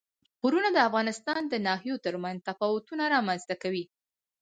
غرونه د افغانستان د ناحیو ترمنځ تفاوتونه رامنځ ته کوي.